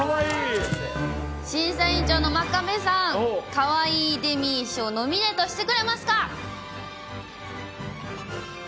審査委員長の真壁さん、かわいいデミー賞、ノミネートしてくれますか。